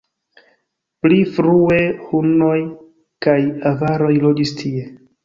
Pli frue hunoj kaj avaroj loĝis tie.